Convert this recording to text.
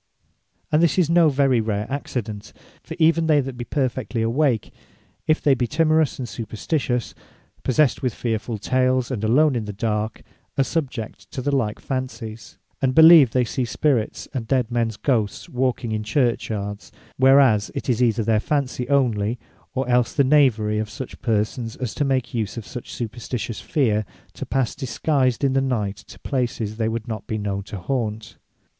And this is no very rare Accident: for even they that be perfectly awake, if they be timorous, and supperstitious, possessed with fearfull tales, and alone in the dark, are subject to the like fancies, and believe they see spirits and dead mens Ghosts walking in Churchyards; whereas it is either their Fancy onely, or els the knavery of such persons, as make use of such superstitious feare, to pass disguised in the night, to places they would not be known to haunt.